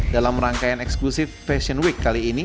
dalam rangkaian eksklusif fashion week kali ini